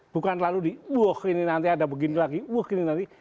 bukan lalu di wah ini nanti ada begini lagi wah gini nanti